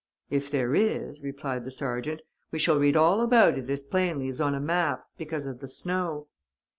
"If there is," replied the sergeant, "we shall read all about it as plainly as on a map, because of the snow."